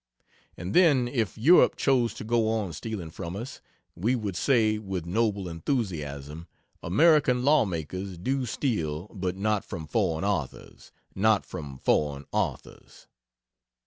And then if Europe chose to go on stealing from us, we would say with noble enthusiasm, "American lawmakers do steal but not from foreign authors Not from foreign authors!"